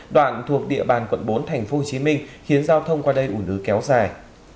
đoạn thuộc địa bàn quận bốn thành phố hồ chí minh khiến giao thông qua đây ủn ứ kéo dài